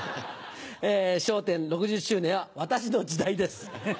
笑点６０周年は私の時代です。